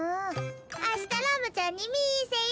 あしたラムちゃんに見せよ。